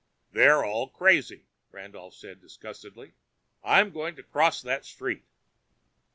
"They're all crazy," Randolph said disgustedly. "I'm going to cross that street!"